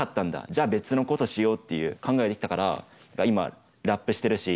じゃあ別のことしようっていう考えできたから今ラップしてるし。